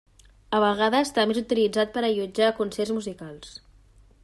A vegades, també és utilitzat per allotjar concerts musicals.